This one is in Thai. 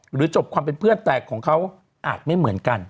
จบความเป็นเพื่อนแต่ของเขาอาจไม่เหมือนกัน